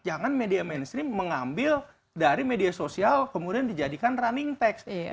jangan media mainstream mengambil dari media sosial kemudian dijadikan running text